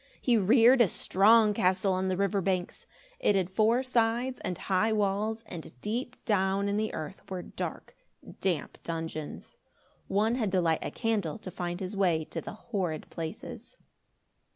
He reared a strong castle on the river banks. It had four sides and high walls, and deep down in the earth were dark, damp dungeons. One had to light a candle to find his way to the horrid places.